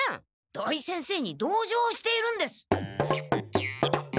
土井先生に同情しているんです。